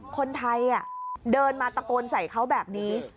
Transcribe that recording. คนไทยเดินมาตะโกนใส่เขาแบบนี้